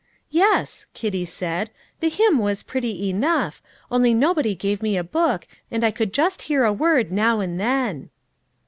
'" "Yes," Kitty said; "the hymn was pretty enough, only nobody gave me a book, and I could just hear a word now and then."